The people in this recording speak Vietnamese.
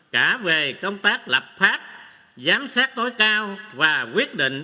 cả về công tác lập pháp giám sát tối cao và quyết định